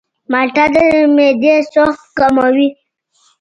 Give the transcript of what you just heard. مالټه د معدې سوخت کموي.